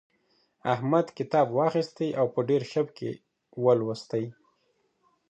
احمد کتاب واخیستی او په ډېر شوق یې ولوستی.